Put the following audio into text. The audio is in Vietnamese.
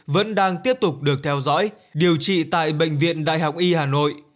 vẫn đang tiếp tục được theo dõi điều trị tại bệnh viện đại học y hà nội